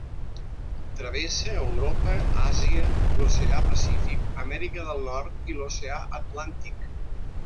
Travessa Europa, Àsia, l'Oceà Pacífic, Amèrica del Nord, i l'Oceà Atlàntic.